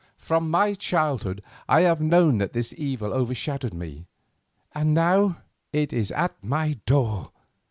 From my childhood I have known that this evil overshadowed me, and now it is at my door."